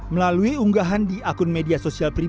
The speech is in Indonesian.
melalui unggahan di akun media sosial pribadi